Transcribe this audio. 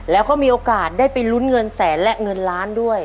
แล้วก็มีโอกาสได้ไปลุ้นเงินแสนและเงินล้านด้วย